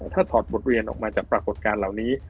ถ้าถอดบทเรียนออกมาจากปรากฏการณ์เหล่านี้